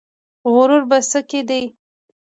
غرور په څه کې دی؟